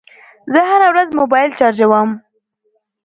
زه هره ورځ موبایل چارجوم.